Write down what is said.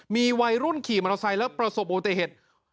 มีวัยรุ่นขี่มรสัยและประสบโอเตศ